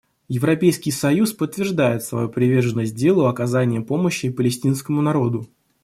Европейский союз подтверждает свою приверженность делу оказания помощи палестинскому народу.